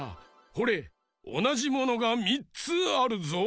ほれおなじものが３つあるぞ。